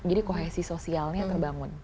jadi kohesi sosialnya terbangun